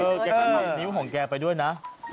เออแกกำลังห่อมนิ้วของแกไปด้วยนะ